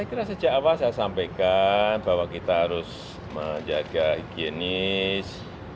saya kira sejak awal saya sampaikan bahwa kita harus menjaga higienis